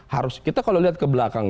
harus kita kalau lihat ke belakang